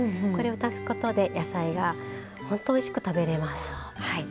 これを足すことで野菜がほんとおいしく食べれます。